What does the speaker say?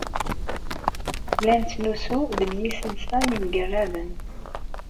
La nettnusu deg yisensa yemgerraden.